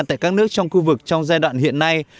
tại các nước trong khu vực trong giai đoạn hiện nay